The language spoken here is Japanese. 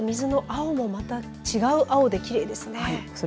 水の青もまた違う青できれいですね。